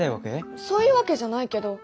そういうわけじゃないけど。